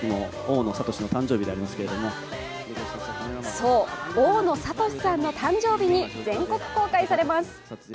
そう、大野智さんの誕生日に全国公開されます。